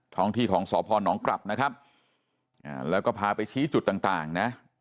ท้องที่ของสพนกลับนะครับแล้วก็พาไปชี้จุดต่างต่างนะ